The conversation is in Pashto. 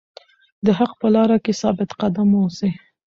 د حق په لاره کې ثابت قدم اوسئ.